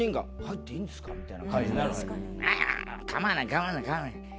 「構わない構わない構わない。